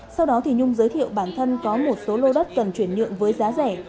sau đó nhung giới thiệu bản thân có một số lô đất cần chuyển nhượng với giá rẻ